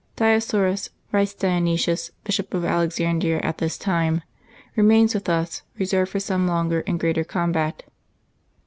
" Dioscorus,^' writes Dionysius, Bishop of Alexandria at this time, "remains with us, reserved for some longer and greater combat."